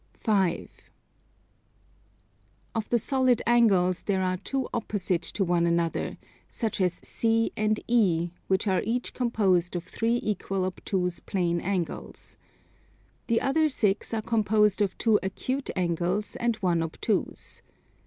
5. Of the solid angles there are two opposite to one another, such as C and E, which are each composed of three equal obtuse plane angles. The other six are composed of two acute angles and one obtuse.